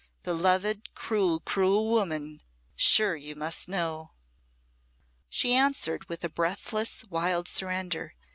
beloved, cruel, cruel woman sure you must know!" She answered with a breathless wild surrender.